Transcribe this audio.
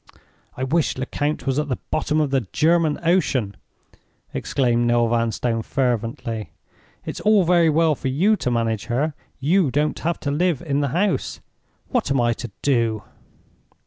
"I wish Lecount was at the bottom of the German Ocean!" exclaimed Noel Vanstone, fervently. "It's all very well for you to manage her—you don't live in the house. What am I to do?"